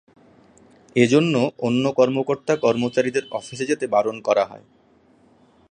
এ জন্য অন্য কর্মকর্তা কর্মচারীদের অফিসে যেতে বারণ করা হয়।